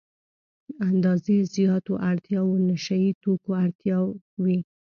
اندازې زياتو اړتیاوو نشه يي توکو اړتیا وي.